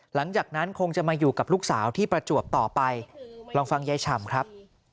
หลังจากนั้นคงจะมาอยู่กับลูกสาวที่ประจวบต่อไปลองฟังยายฉ่ำครับ